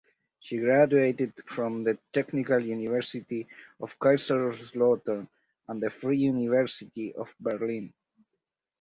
She graduated from the Technical University of Kaiserslautern and the Free University of Berlin.